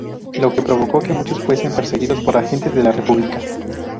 Lo que provocó que muchos fuesen perseguidos por agentes de la república.